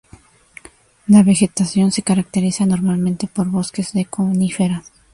La vegetación se caracteriza normalmente por bosques de coníferas.